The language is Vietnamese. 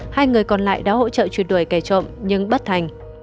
hai người còn lại đã hỗ trợ truyệt đuổi kẻ trộm nhưng bất thành